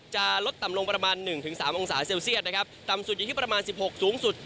จะลดต่ำลงประมาณ๑๓องศาเซลเซียตนะครับต่ำสุดอยู่ที่ประมาณ๑๖สูงสุด